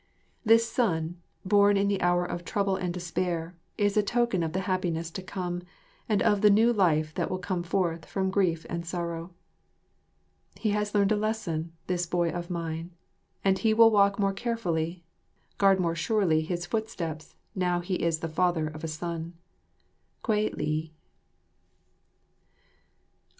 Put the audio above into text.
This son, born in the hour of trouble and despair, is a token of the happiness to come, of the new life that will come forth from grief and sorrow. He has learned a lesson, this boy of mine, and he will walk more carefully, guard more surely his footsteps, now he is the father of a son. Kwei li.